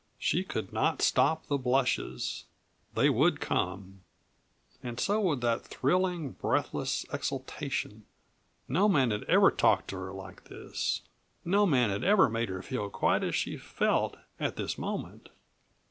She could not stop the blushes they would come. And so would that thrilling, breathless exultation. No man had ever talked to her like this; no man had ever made her feel quite as she felt at this moment.